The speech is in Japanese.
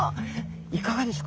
いかがですか？